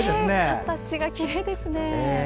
形がきれいですね。